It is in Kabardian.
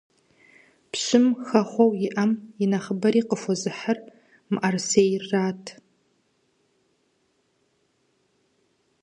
Пщым хэхъуэу иӀэм и нэхъыбэри къыхуэзыхьыр мыӀэрысейрат.